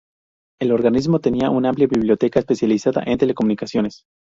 El organismo tenía una amplia biblioteca especializada en telecomunicaciones.